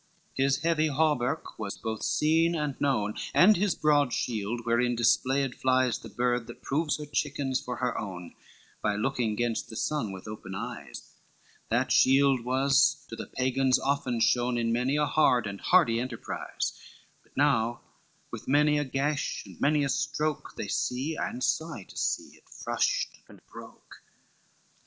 XLIX His heavy hauberk was both seen and known, And his brand shield, wherein displayed flies The bird that proves her chickens for her own By looking gainst the sun with open eyes; That shield was to the Pagans often shown, In many a hard and hardy enterprise, But now with many a gash and many a stroke They see, and sigh to see it, frushed and broke.